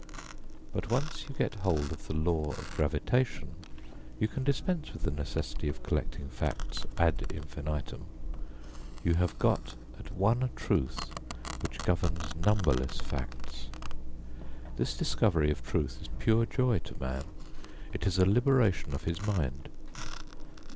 But once you get hold of the law of gravitation you can dispense with the necessity of collecting facts ad infinitum. You have got at one truth which governs numberless facts. This discovery of truth is pure joy to man it is a liberation of his mind.